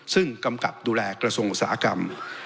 ซึ่งกำกับดูแลกระทรวงอุตสาหกรรม